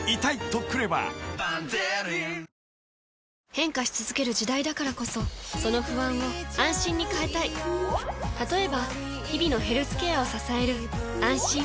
変化し続ける時代だからこそその不安を「あんしん」に変えたい例えば日々のヘルスケアを支える「あんしん」